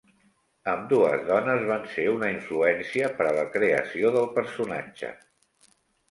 Ambdues dones van ser una influència per a la creació del personatge.